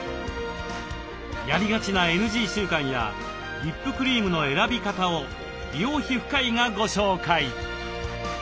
やりがちなＮＧ習慣やリップクリームの選び方を美容皮膚科医がご紹介。